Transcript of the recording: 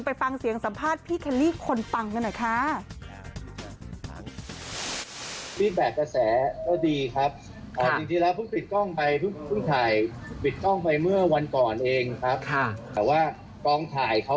ไปฟังเสียงสัมภาษณ์พี่เคลลี่คนปังกันหน่อยค่ะ